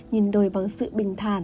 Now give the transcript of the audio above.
nhìn đời bằng sự bình thản